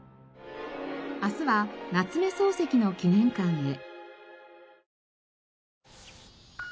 明日は夏目漱石の記念館へ。